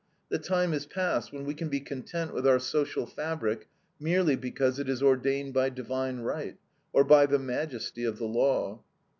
The time is past when we can be content with our social fabric merely because it is "ordained by divine right," or by the majesty of the law.